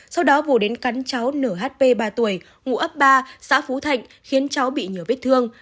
sau đó vụ đến cắn chó nhp ba tuổi ngụ ấp ba xã phú thạnh khiến chó bị nhiều vết thương